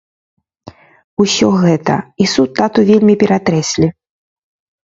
Усё гэта і суд тату вельмі ператрэслі.